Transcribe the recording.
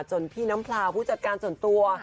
พี่น้ำพลาวผู้จัดการส่วนตัว